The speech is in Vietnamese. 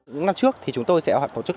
những năm trước thì chúng tôi sẽ tổ chức